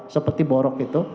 seperti borok itu